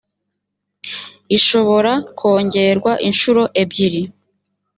ishobora kongerwa inshuro ebyiri